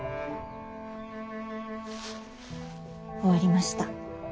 終わりました。